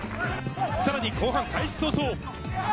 さらに後半開始早々。